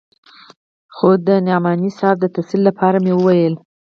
خو د نعماني صاحب د تسل لپاره مې وويل.